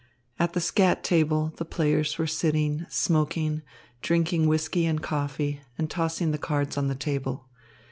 At the skat table, the players were sitting, smoking, drinking whisky and coffee, and tossing the cards on the table.